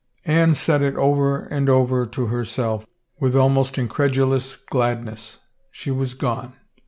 Anne said it over and over to herself, with almost in credulous gladness. She was gone.